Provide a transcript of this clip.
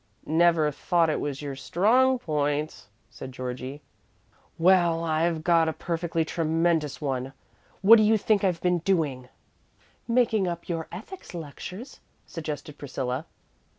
"Never thought it was your strong point," said Georgie. "Well, I've got a perfectly tremendous one! What do you think I've been doing?" "Making up your ethics lectures," suggested Priscilla.